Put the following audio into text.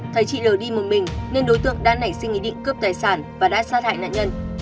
thấy chị lờ đi một mình nên đối tượng đã nảy sinh ý định cướp tài sản và đã sát hại nạn nhân